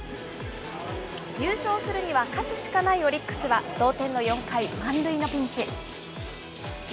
優勝するには、勝つしかないオリックスは同点の４回、満塁のピンチ。